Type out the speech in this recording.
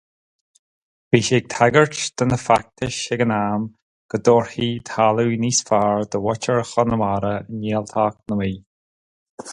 Bhí sé ag tagairt do na feachtais ag an am go dtabharfaí talamh níos fearr do mhuintir Chonamara i nGaeltacht na Mí.